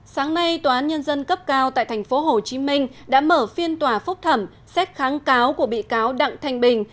sáng nay tòa án nhân dân cấp cao tại tp hcm đã mở phiên tòa phúc thẩm xét kháng cáo của bị cáo đặng thanh bình